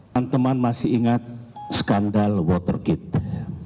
teman teman masih ingat skandal watergate